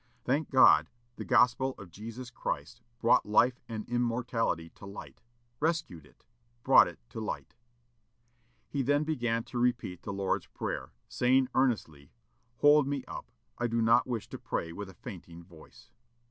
Thank God, the Gospel of Jesus Christ brought life and immortality to light, rescued it brought it to light." He then began to repeat the Lord's prayer, saying earnestly, "Hold me up, I do not wish to pray with a fainting voice."